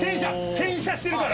洗車してるから！